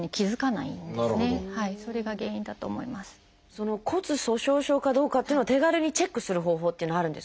その骨粗しょう症かどうかっていうのは手軽にチェックする方法っていうのはあるんですか？